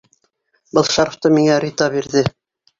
— Был шарфты миңә Рита бирҙе.